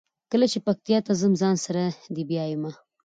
کله چې پکتیا ته ځم ځان سره دې بیایمه.